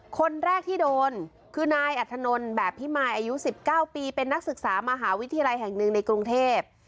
คนแรกที่โดนคือนายอัธนลแบบพิมายอายุ๑๙ปีเป็นนักศึกษามหาวิทยาลัยแห่งหนึ่งในกรุงเทพ